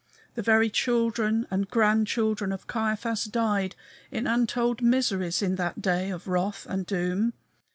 The very children and grandchildren of Caiaphas died in untold miseries in that day of wrath and doom.